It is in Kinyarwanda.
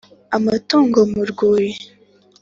amatungo mu rwuli